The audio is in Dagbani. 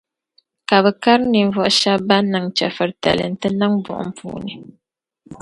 Ka bɛ kari ninvuɣu shɛba ban niŋ chεfuritali n-ti niŋ buɣum puuni.